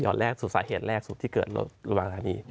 ยอดแรกสุดสาเหตุแรกสุดที่เกิดระหว่างสถานี